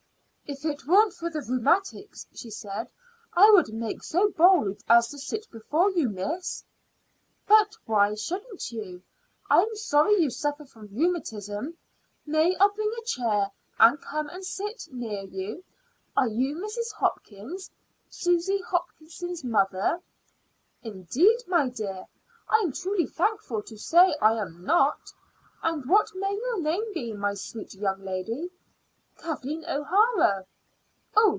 "If it weren't for the rheumatics," she said, "I wouldn't make so bold as to sit before you, miss." "But why shouldn't you? I'm sorry you suffer from rheumatism. May I bring a chair and come and sit near you? Are you Mrs. Hopkins Susy Hopkins's mother?" "Indeed, my dear, I'm truly thankful to say I am not. And what may your name be, my sweet young lady?" "Kathleen O'Hara."